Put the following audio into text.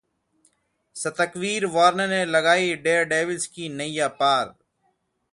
शतकवीर Warner ने लगाई Daredevils की नैया पार